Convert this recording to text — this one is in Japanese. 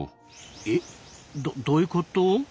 えどういうこと？